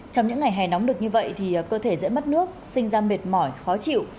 trong những ngày hè nóng được như vậy thì cơ thể dễ mất nước sinh ra mệt mỏi khó chịu